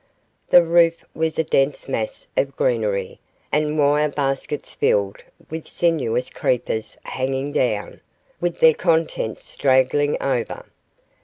The roof was a dense mass of greenery, and wire baskets filled with sinuous creepers hung down, with their contents straggling over.